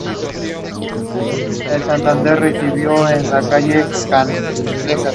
Rover encuentra Chuck, que está muy feliz de verla.